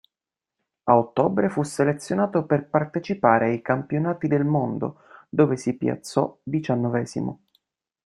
A ottobre fu selezionato per partecipare ai campionati del mondo, dove si piazzò diciannovesimo.